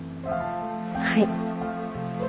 はい。